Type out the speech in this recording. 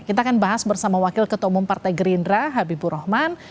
kita akan bahas bersama wakil ketua umum partai gerindra habibur rahman